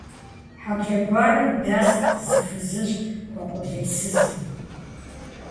Хьэблэ гуэрым дэст зы фызыжь, хуэкъулейсызу.